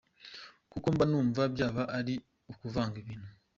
Kuko mba numva byaba ari ukuvanga ibintu.